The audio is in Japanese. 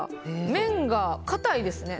面が硬いですね。